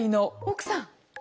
奥さん。